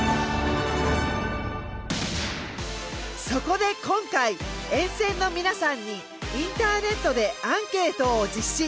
そこで今回沿線の皆さんにインターネットでアンケートを実施